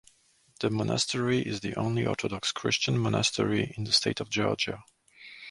The monastery is the only Orthodox Christian monastery in the state of Georgia.